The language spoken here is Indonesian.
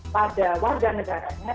pada warga negaranya